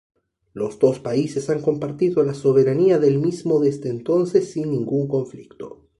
Los dos países han compartido la soberanía del mismo desde entonces sin ningún conflicto.